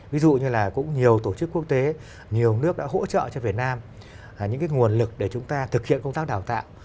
ví dụ như là cũng nhiều tổ chức quốc tế nhiều nước đã hỗ trợ cho việt nam những cái nguồn lực để chúng ta thực hiện công tác đào tạo